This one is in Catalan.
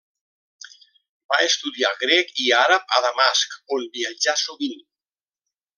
Va estudiar grec i àrab a Damasc, on viatjà sovint.